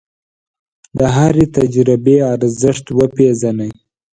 د هرې تجربې ارزښت وپېژنئ.